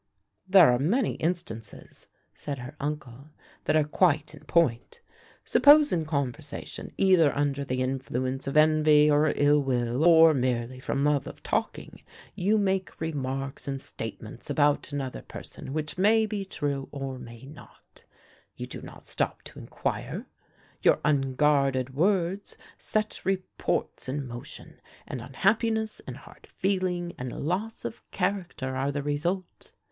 "There are many instances," said her uncle, "that are quite in point. Suppose in conversation, either under the influence of envy or ill will, or merely from love of talking, you make remarks and statements about another person which may be true or may not, you do not stop to inquire, your unguarded words set reports in motion, and unhappiness, and hard feeling, and loss of character are the result.